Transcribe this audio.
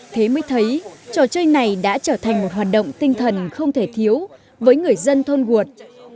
thế mới thấy trò chơi này đã trở thành một hoạt động tinh thần không thể thiếu với người dân thôn uột